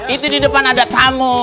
itu di depan ada tamu